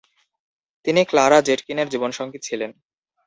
তিনি ক্লারা জেটকিনের জীবনসঙ্গী ছিলেন।